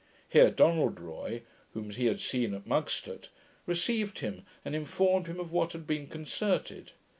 Here Donald Roy, whom he had seen at Mugstot, received him, and informed him of what had been concerted.